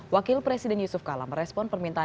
wakil presiden yusuf kala merespon permintaan